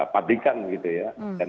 pabrikan gitu ya